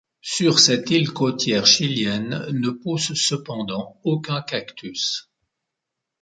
Sur cette île côtière chilienne ne pousse cependant aucun cactus.